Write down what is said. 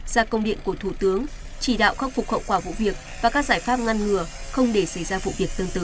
ra công điện của thủ tướng chỉ đạo khắc phục khẩu quả vụ việc và các giải pháp ngăn ngừa không để xảy ra vụ việc tương tự